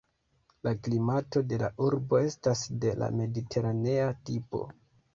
La klimato de la urbo estas de la mediteranea tipo.